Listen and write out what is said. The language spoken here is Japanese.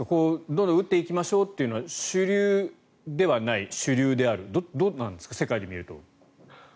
どんどん打っていきましょうというのは主流ではない、主流であるどうなんですか、世界で見ると。